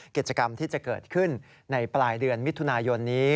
กิจกรรมที่จะเกิดขึ้นในปลายเดือนมิถุนายนนี้